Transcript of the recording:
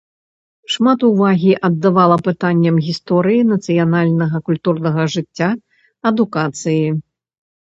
Шмат увагі аддавала пытанням гісторыі, нацыянальнага культурнага жыцця, адукацыі.